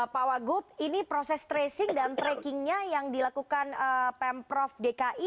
pak wagub ini proses tracing dan trackingnya yang dilakukan pemprov dki